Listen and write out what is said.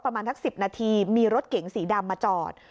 ประมาณทัก๑๐นาทีมีรถเก๋งสีดำมาจอด